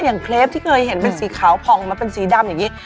เคลปที่เคยเห็นเป็นสีขาวผ่องมาเป็นสีดำอย่างนี้